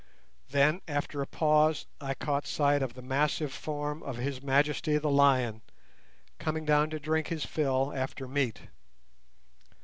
Then after a pause I caught sight of the massive form of His Majesty the Lion, coming down to drink his fill after meat.